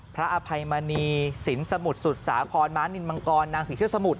พระอภัยมณีสินสมุทรสุดสากรม้านินมังกรนางผีเสื้อสมุทร